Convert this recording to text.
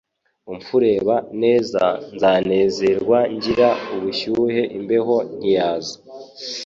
Umfureba neza ndanezerwaNgira ubushyuhe imbeho ntiyaza